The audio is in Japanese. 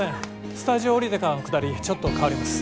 スタジオ降りてからのくだりちょっと変わります。